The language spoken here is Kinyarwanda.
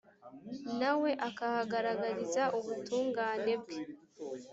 na we akahagaragariza ubutungane bwe.